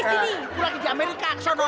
aku lagi di amerika kesana